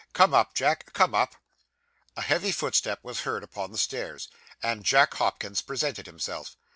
Come up, Jack; come up.' A heavy footstep was heard upon the stairs, and Jack Hopkins presented himself.